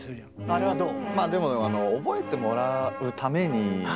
あれはどう？